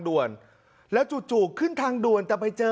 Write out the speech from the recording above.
ด่วนแล้วจู่จู่ขึ้นทางด่วนแต่ไปเจอ